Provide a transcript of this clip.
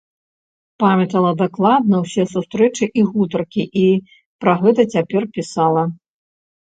Памятала дакладна ўсе сустрэчы і гутаркі і пра гэта цяпер пісала.